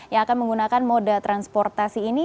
yang akan menggunakan moda transportasi ini